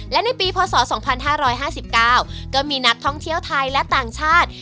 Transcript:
และในปีพศ๒๕๕๙ก็มีนักท่องเที่ยวไทยและต่างชาติ